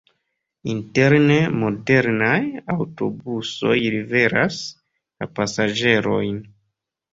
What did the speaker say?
Interne modernaj aŭtobusoj liveras la pasaĝerojn.